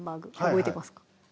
覚えてます